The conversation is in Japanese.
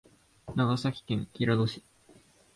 長崎県平戸市